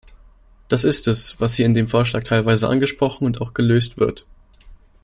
Das ist es, was hier in diesem Vorschlag teilweise angesprochen und auch gelöst wird.